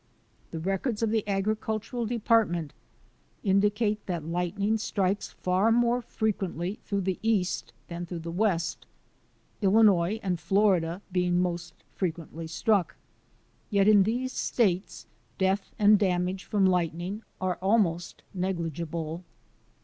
The records of the Agricultural Department indicate that lightning strikes far more frequently through the east than through the west, Illinois and Florida being most frequently struck. Yet in these states death and damage from lightning are almost negligible.